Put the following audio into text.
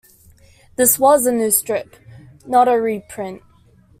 This was a new strip, not a reprint.